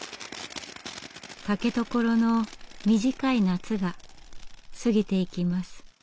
竹所の短い夏が過ぎていきます。